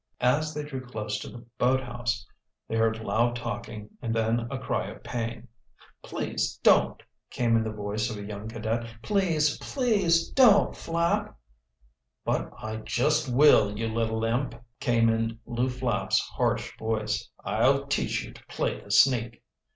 As they drew close to the boathouse they heard loud talking and then a cry of pain. "Please don't," came in the voice of a young cadet. "Please, please don't, Flapp!" "But I just will, you little imp!" came in Lew Flapp's harsh voice. "I'll teach you to play the sneak!"